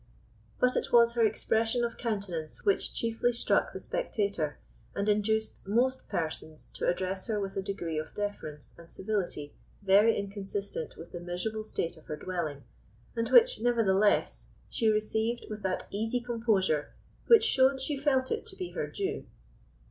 But it was her expression of countenance which chiefly struck the spectator, and induced most persons to address her with a degree of deference and civility very inconsistent with the miserable state of her dwelling, and which, nevertheless, she received with that easy composure which showed she felt it to be her due.